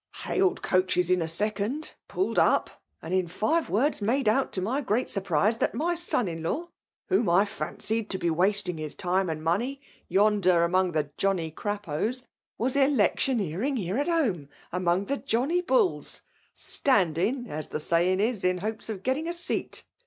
* Hailed coachee in a second — ^pulled up — and in five words made out, to my great surprise, that my son in law, whom I fancied to be wasting his time and money yonder among the Johnny Cra pauds, was electioneering here at home, among the Johnny Bulls — standing, as the saying is, in hopes of getting a seat.